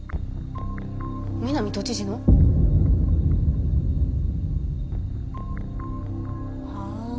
南都知事の？はあ